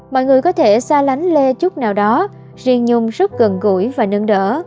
mọi người có thể xa lánh le chút nào đó riêng nhung rất gần gũi và nâng đỡ